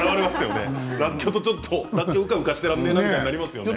らっきょううかうかしてらんねえなみたいになりますよね。